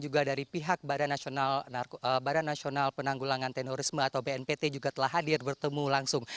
juga dari pihak badan nasional penanggulangan terorisme atau bnpt juga telah hadir bertemu langsung